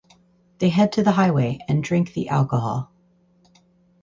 They head to the highway and drink the alcohol.